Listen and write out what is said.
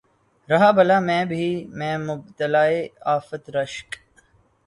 رہا بلا میں بھی میں مبتلائے آفت رشک